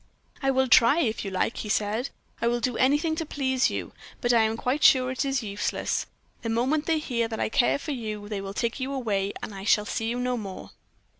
"'I will try, if you like,' he said. 'I will do anything to please you: but I am quite sure it is useless. The moment they hear that I care for you they will take you away, and I shall see you no more.'